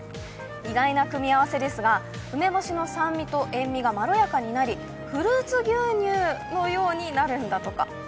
意外な組み合わせですが、梅干しの酸味と塩みがまろやかになり、フルーツ牛乳のようになるんだとか。